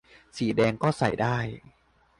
สีแดงก็ใส่ได้